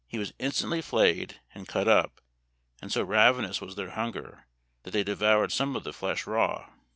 He was instantly flayed and cut up, and so ravenous was their hunger that they devoured some of the flesh raw.